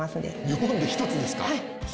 日本で一つですか⁉